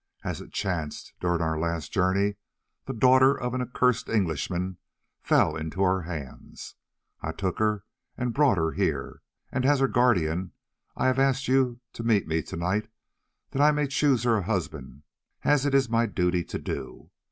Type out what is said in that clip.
As it chanced during our last journey, the daughter of an accursed Englishman fell into our hands. I took her and brought her here, and as her guardian I have asked you to meet me to night, that I may choose her a husband, as it is my duty to do.